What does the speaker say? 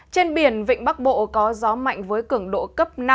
trên biển vịnh bắc bộ có gió mạnh với cường độ cấp năm